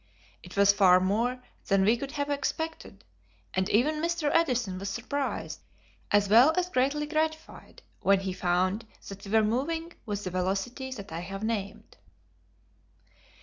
It was far more than we could have expected, and even Mr. Edison was surprised, as well as greatly gratified, when he found that we were moving with the velocity that I have named.